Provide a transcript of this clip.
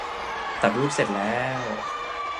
ตัดรูปเสร็จแล้ว